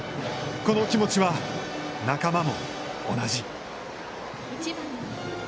この気持ちは仲間も同じ。